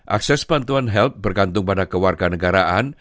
akses bantuan help bergantung pada kewarganegaraan